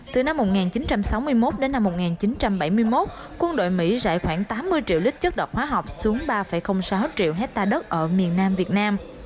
từ năm một nghìn chín trăm sáu mươi một đến năm một nghìn chín trăm bảy mươi một quân đội mỹ giải khoảng tám mươi triệu lít chất độc hóa học xuống ba sáu triệu hectare đất ở miền nam việt nam